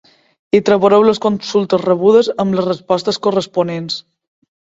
Hi trobareu les consultes rebudes amb les respostes corresponents.